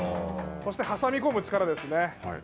そして挟み込む力ですね。